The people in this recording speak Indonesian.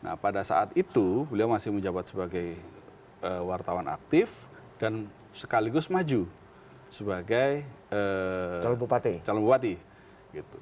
nah pada saat itu beliau masih menjabat sebagai wartawan aktif dan sekaligus maju sebagai calon bupati gitu